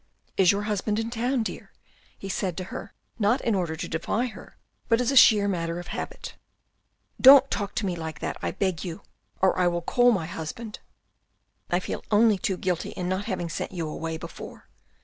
" Is your husband in town, dear," he said to her not in order to defy her but as a sheer matter of habit. " Don't talk to me like that, I beg you, or I will call my husband. I feel only too guilty in not having sent you away before.